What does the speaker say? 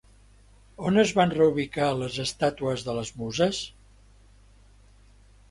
On es van reubicar les estàtues de les Muses?